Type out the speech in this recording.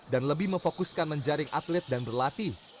dan lebih memfokuskan menjaring atlet dan berlatih